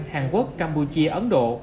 hàn quốc campuchia ấn độ